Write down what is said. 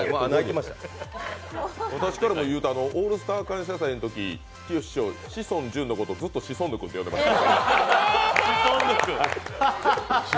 私からも言うと、「オールスター感謝祭」のとききよし師匠、志尊淳君のことずっとシソンヌ君と呼んでました。